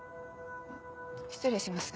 失礼します。